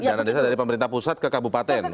dana desa dari pemerintah pusat ke kabupaten